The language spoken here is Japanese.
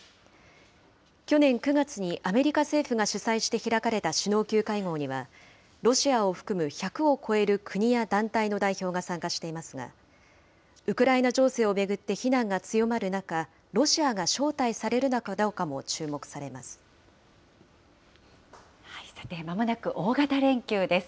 去年９月にアメリカ政府が主催して開かれた首脳級会合には、ロシアを含む１００を超える国や団体の代表が参加していますが、ウクライナ情勢を巡って非難が強まる中、ロシアが招待されるのかさて、まもなく大型連休です。